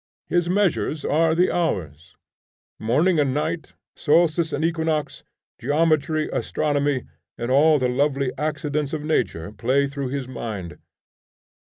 His measures are the hours; morning and night, solstice and equinox, geometry, astronomy and all the lovely accidents of nature play through his mind.